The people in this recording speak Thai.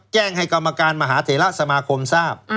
แจ้งให้กรรมการมหาเถระสมาคมทราบ